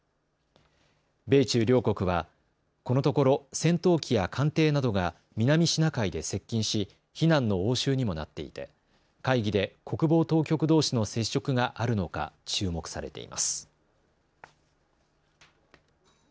米中両国はこのところ戦闘機や艦艇などが南シナ海で接近し非難の応酬にもなっていて会議で国防当局どうしの接触があるのか注目されています。